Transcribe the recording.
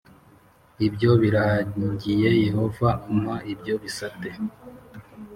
Ibyo birangiye Yehova ampa ibyo bisate,